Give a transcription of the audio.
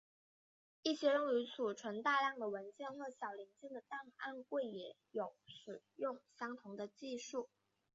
一些用于储存大量的文件或小零件的档案柜也有使用相同的技术。